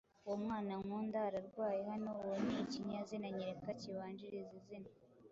Uwo mwana nkunda ararwaye hano “uwo” ni ikinyazina nyereka kibanjirije izina)